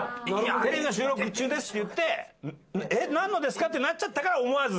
「テレビの収録中です」って言って「えっなんのですか？」ってなっちゃったから思わず。